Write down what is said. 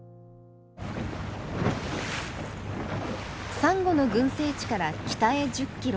サンゴの群生地から北へ１０キロ。